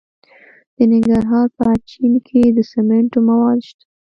د ننګرهار په اچین کې د سمنټو مواد شته.